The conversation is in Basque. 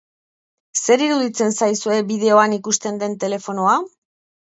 Zer iruditzen zaizue bideoan ikusten den telefonoa?